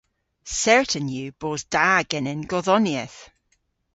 Certan yw bos da genen godhonieth.